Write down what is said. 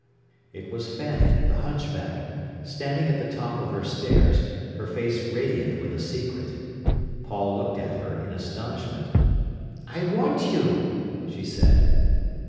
It was Fanny, the hunchback, standing at the top of her stairs, her face radiant with a secret. Paul looked at her in astonishment. "I want you," she said.